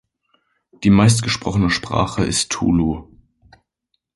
Die meistgesprochene Sprache ist Tulu.